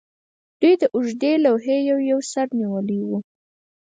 دوی د اوږدې لوحې یو یو سر نیولی و